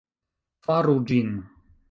Faru ĝin